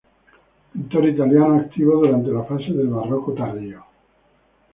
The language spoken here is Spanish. Pintor italiano activo durante la fase del Barroco tardío.